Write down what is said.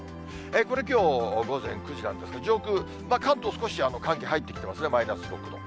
これ、きょう午前９時なんですが、上空、関東、少し寒気入ってきてますね、マイナス６度。